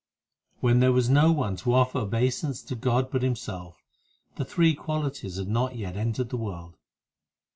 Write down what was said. When there was no one to offer obeisance to God but Himself, The three qualities had not yet entered the world.